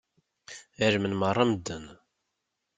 Ɛelmen meṛṛa medden.